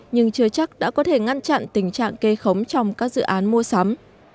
nhưng chưa chắc đã có thể ngăn chặn tình trạng kê khống trong các dự án mua sắm